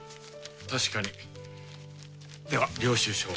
確かにでは領収書を。